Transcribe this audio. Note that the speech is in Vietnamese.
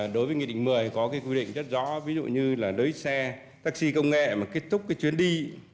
đối với nghị định một mươi thì có quy định rất rõ ví dụ như đối xe taxi công nghệ mà kết thúc chuyến đi